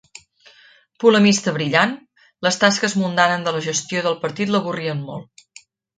Polemista brillant, les tasques mundanes de la gestió del partit l'avorrien molt.